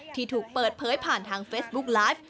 ที่ถูกเปิดเผยผ่านทางเฟซบุ๊กไลฟ์